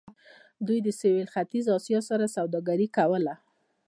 دوی له سویل ختیځې اسیا سره سوداګري کوله.